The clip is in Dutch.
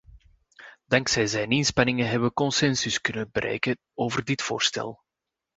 Dankzij zijn inspanningen hebben we consensus kunnen bereiken over dit voorstel.